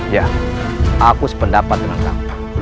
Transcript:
ya aku sependapat dengan kamu